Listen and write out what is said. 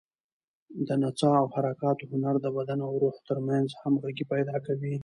د نڅا او حرکاتو هنر د بدن او روح تر منځ همغږي پیدا کوي.